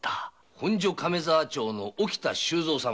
本所亀沢町の沖田収蔵様。